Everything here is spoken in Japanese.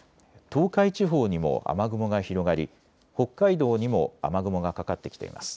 東海地方にも雨雲が広がり北海道にも雨雲がかかってきています。